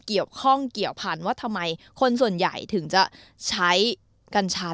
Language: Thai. เพราะว่าใบกัญชาถือว่าเป็นหนึ่งในพืชศักดิ์สิทธิ์ก็จริง